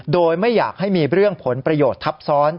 โดยไม่อยากให้มีเรื่องผลประโยชน์ทับซ้อน